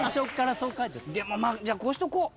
でもじゃこうしとこう。